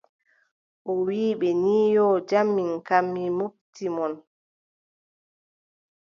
O wiʼi ɓe ni yoo , jam min kam mi mofti mon.